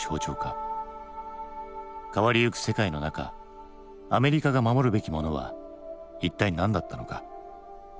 変わりゆく世界の中アメリカが守るべきものは一体何だったのか？